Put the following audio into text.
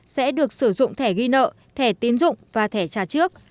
sẽ được sử dụng thẻ ghi nợ thẻ tiến dụng và thẻ trả trước